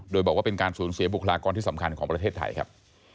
โดยบอกว่าเป็นการสูญเสียบุคลากรที่สำคัญของประเทศไทยครับ